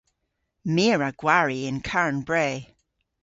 My a wra gwari yn Karn Bre.